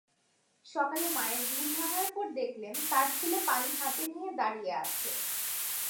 সকালে মায়ের ঘুম ভাঙার পর দেখলেন তার ছেলে পানি হাতে নিয়ে দাড়িয়ে আছে।